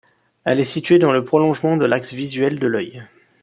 Elle est située dans le prolongement de l'axe visuel de l'œil.